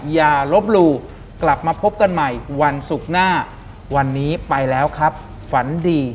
หลังจากนั้นเราไม่ได้คุยกันนะคะเดินเข้าบ้านอืม